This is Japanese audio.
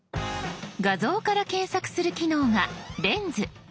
画像から検索する機能が「レンズ」。